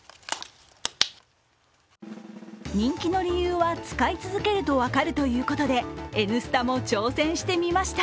人気の理由は、使い続けると分かるということで「Ｎスタ」も挑戦してみました。